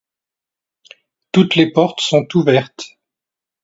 Toutes les portes sont ouvertes